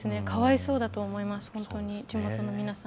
かわいそうだと思います、本当に。